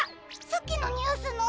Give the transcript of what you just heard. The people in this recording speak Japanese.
さっきのニュースの？